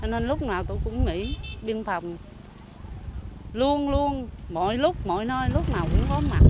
nên lúc nào tôi cũng nghĩ biên phòng luôn luôn mọi lúc mọi nơi lúc nào cũng có mặt